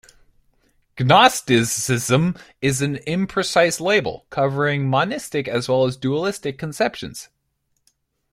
Gnosticism is an imprecise label, covering monistic as well as dualistic conceptions.